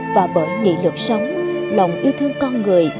và bởi nghị lực sống lòng yêu thương con người